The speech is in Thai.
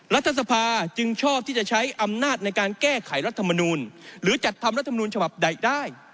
รัฐสภาจึงชอบที่จะใช้อำนาจในการแก้ไขรัฐมนูลหรือจัดทำรัฐมนูลฉบับใดได้